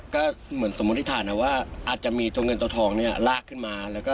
ก็แบบที่ฐานว่าอาจจะมีเงินตัวทองากขึ้นมา